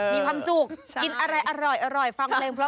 มีความสุขกินอะไรอร่อยฟังเพลงเพราะ